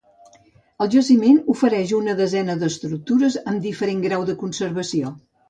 El jaciment ofereix una desena d'estructures amb diferent grau de conservació.